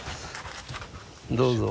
どうぞ。